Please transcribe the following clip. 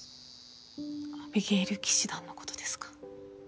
アビゲイル騎士団の事ですか？